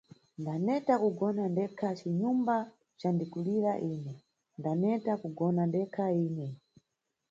Ndaneta kugona ndekha cinyumba candikulira ine, ndaneta kugona ndekha ine.